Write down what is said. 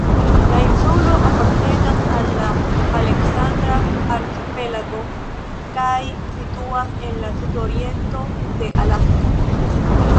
La insulo apartenas al la "Aleksandra arkipelago" kaj situas en la sudoriento de Alasko.